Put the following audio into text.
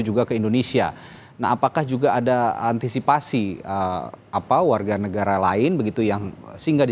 juga ke indonesia nah apakah juga ada antisipasi apa warga negara lain begitu yang singgah di